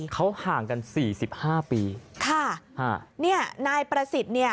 เขาห่างกัน๔๕ปีค่ะนี่นายประสิทธิ์นี่